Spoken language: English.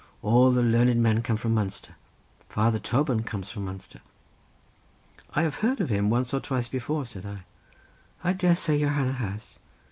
all the learned men comes from Munster. Father Toban comes from Munster." "I have heard of him once or twice before," said I. "I dare say your hanner has.